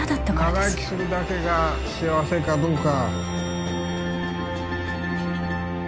長生きするだけが幸せかどうか